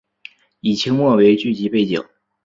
以清末为剧集背景。